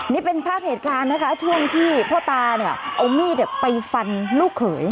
นี่เป็นภาพเหตุการณ์นะคะช่วงที่พ่อตาเนี่ยเอามีดไปฟันลูกเขย